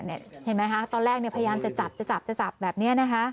เห็นไหมคะตอนแรกพยายามจะจับจะจับจะจับแบบนี้นะคะ